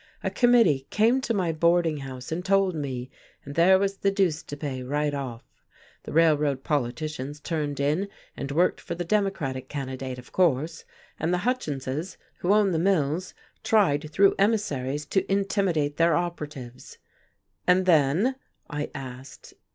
A committee came to my boarding house and told me, and there was the deuce to pay, right off. The Railroad politicians turned in and worked for the Democratic candidate, of course, and the Hutchinses, who own the mills, tried through emissaries to intimidate their operatives." "And then?" I asked.